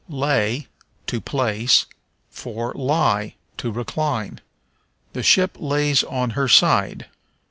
Lay (to place) for Lie (to recline). "The ship lays on her side."